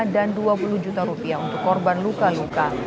dan dua puluh juta rupiah untuk korban luka luka